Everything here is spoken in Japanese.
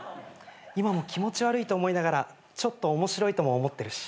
今も気持ち悪いと思いながらちょっと面白いとも思ってるし。